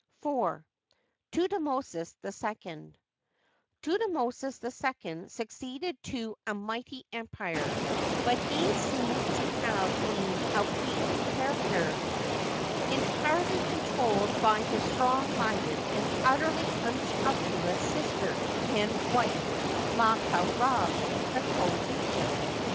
§4. Thutmosis IL Thutmosis II succeeded to a mighty empire, but he seems to have been a weak character, entirely controlled by his strong minded and utterly unscrupulous sister and wife Md ka Rd, the co regent.